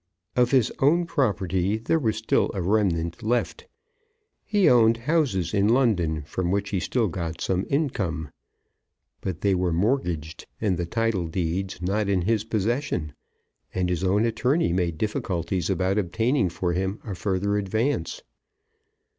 Of his own property there was still a remnant left. He owned houses in London from which he still got some income. But they were mortgaged, and the title deeds not in his possession, and his own attorney made difficulties about obtaining for him a further advance.